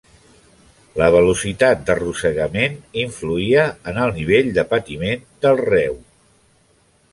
La velocitat d'arrossegament influïa en el nivell de patiment del reu.